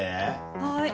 はい。